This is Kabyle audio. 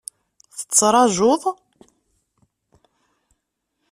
Tettrajuḍ?